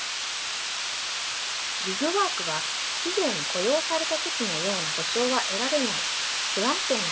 ギグワークは企業に雇用された時のような保障は得られない不安定な仕事ですし